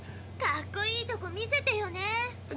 かっこいいとこ見せてよね。